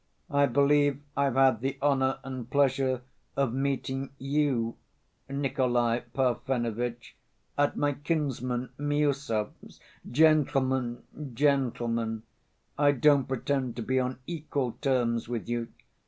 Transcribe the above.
I believe I've had the honor and pleasure of meeting you, Nikolay Parfenovitch, at my kinsman Miüsov's. Gentlemen, gentlemen, I don't pretend to be on equal terms with you.